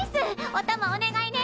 おたまお願いね。